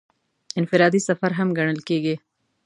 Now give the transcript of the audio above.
انفرادي سفر هم ګڼل کېږي.